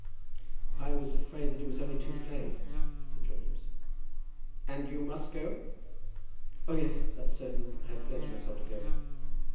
"I was afraid that it was only too plain," said John Eames. "And you must go?" "Oh, yes; that's certain. I have pledged myself to go."